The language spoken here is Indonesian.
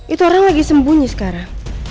itu orang lagi sembunyi sekarang